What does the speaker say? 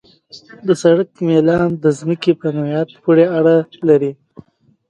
د سړک میلان د ځمکې په نوعیت پورې اړه لري